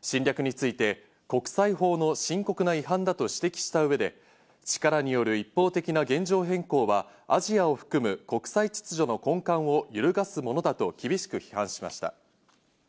侵略について、国際法の深刻な違反だと指摘した上で、力による一方的な現状変更はアジアを含む国際秩序の根幹を揺るがすものだと厳しく批判しました。